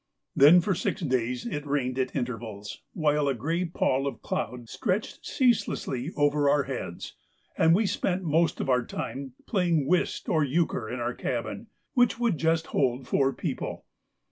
Then for six days it rained at intervals, while a grey pall of cloud stretched ceaselessly over our heads, and we spent most of our time playing whist or euchre in our cabin, which would just hold four people.